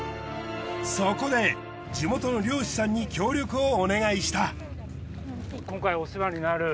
そこで地元の漁師さんに協力をお願いした。